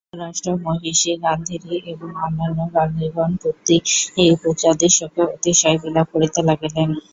ধৃতরাষ্ট্র-মহিষী গান্ধারী এবং অন্যান্য নারীগণ পতিপুত্রাদির শোকে অতিশয় বিলাপ করিতে লাগিলেন।